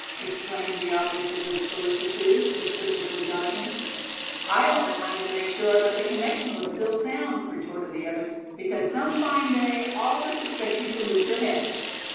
exclaimed the object of this solicitude, suspiciously dodging. "I only wanted to make sure that the connection was sound still," retorted the other; "because some fine day, all of us expect you to lose your head."